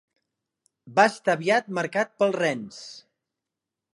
Va estar aviat marcat pel Rennes.